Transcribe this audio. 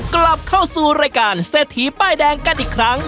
กลับเข้าสู่รายการเศรษฐีป้ายแดงกันอีกครั้ง